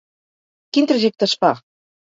Quin trajecte es fa?